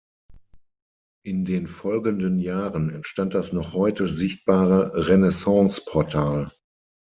In den folgenden Jahren entstand das noch heute sichtbare Renaissanceportal.